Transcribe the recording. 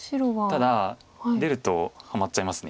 ただ出るとハマっちゃいます